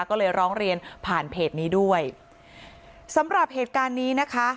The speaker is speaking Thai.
ก็เลยร้องเรียนผ่านเพจนี้ด้วยสำหรับเหตุการณ์นี้นะคะ